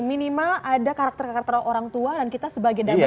minimal ada karakter karakter orang tua dan kita sebagai david